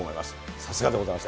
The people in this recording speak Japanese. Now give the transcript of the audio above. さすがでございました。